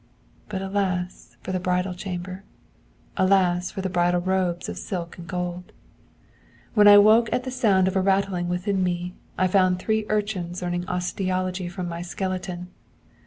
But alas for the bridal chamber! Alas for the bridal robes of silk and gold! When I woke at the sound of a rattling within me, I found three urchins learning osteology from my skeleton.